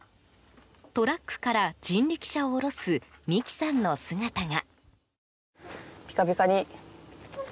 トラックから人力車を下ろす美希さんの姿が。